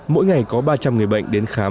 mỗi ngày có ba trăm linh người bệnh đến khám